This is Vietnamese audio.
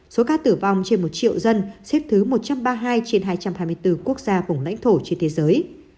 số ca tử vong trên một triệu dân xếp thứ một trăm ba mươi hai trên hai trăm hai mươi bốn quốc gia vùng lãnh thổ trên thế giới